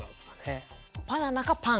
バナナかパン。